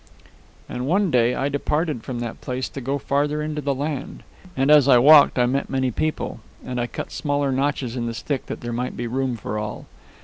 "And one day I departed from that place to go farther into the land. And as I walked I met many people, and I cut smaller notches in the stick, that there might be room for all.